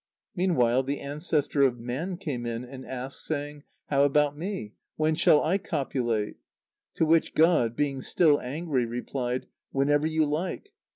Meanwhile, the ancestor of men came in, and asked saying: "How about me? When shall I copulate?" To which God, being still angry, replied: "Whenever you like!"